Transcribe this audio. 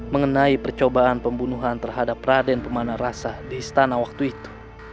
mengenai percobaan pembunuhan terhadap raden pemana rasa di istana waktu itu